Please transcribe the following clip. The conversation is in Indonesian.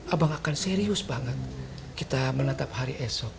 abang akan serius banget kita menatap hari esok